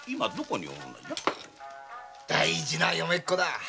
大事な嫁っこだ。